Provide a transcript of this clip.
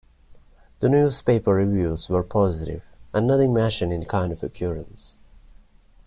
The newspaper reviews were positive and nothing mentioned any kind of occurrence.